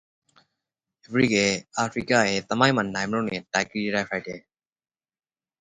Additionally, Africa is a continent that is steeped in history.